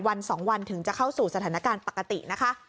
วัน๒วันถึงจะเข้าสู่สถานการณ์ปกตินะคะ